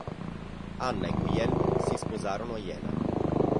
Anna e Guglielmo si sposarono a Jena.